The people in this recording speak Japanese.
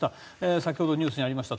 先ほどニュースにありました